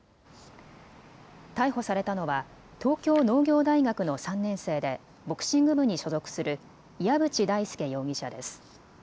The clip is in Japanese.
逮捕されたのは東京農業大学の３年生でボクシング部に所属する岩渕大輔容疑者です。